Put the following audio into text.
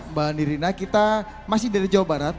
mbak nirina kita masih dari jawa barat